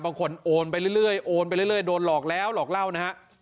โอนไปเรื่อยโอนไปเรื่อยโดนหลอกแล้วหลอกเล่านะฮะ